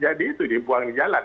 ya itu yang paling penting